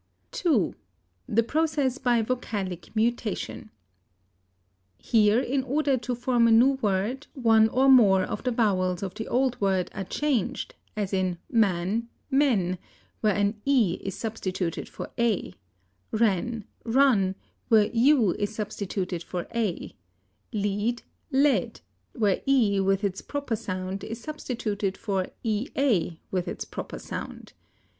II. THE PROCESS BY VOCALIC MUTATION. Here, in order to form a new word, one or more of the vowels of the old word are changed, as in man men, where an e is substituted for a; ran run, where u is substituted for a; lead led, where e, with its proper sound, is substituted for ea with its proper sound.